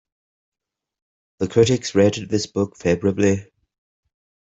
The critics rated this book favourably.